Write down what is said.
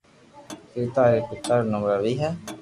سيتا ري پيتا ري روي ھي